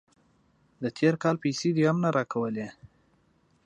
د تیر کال پیسې دې هم نه راکولې.